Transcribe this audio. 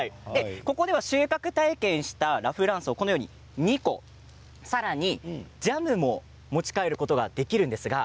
ここでは収穫体験をしたラ・フランスを２個さらにジャムを持ち帰ることもできます。